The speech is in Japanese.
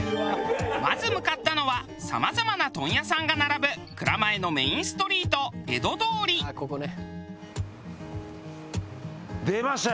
まず向かったのはさまざまな問屋さんが並ぶ蔵前のメインストリート江戸通り。出ました！